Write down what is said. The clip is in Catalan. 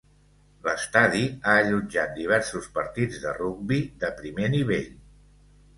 L'estadi ha allotjat diversos partits de rugbi de primer nivell.